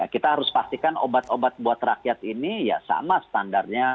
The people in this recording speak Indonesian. kita harus pastikan obat obat buat rakyat ini ya sama standarnya